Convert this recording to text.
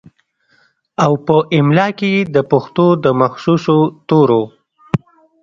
او پۀ املا کښې ئې دَپښتو دَمخصوصو تورو